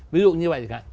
ví dụ như vậy